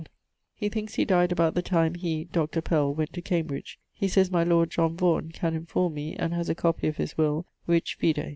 ] He thinkes he dyed about the time he (Dr. Pell) went to Cambridge. He sayes my lord John Vaughan can enforme me, and haz a copie of his will: which vide.